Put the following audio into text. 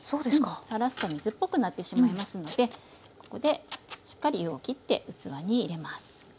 さらすと水っぽくなってしまいますのでここでしっかり湯をきって器に入れます。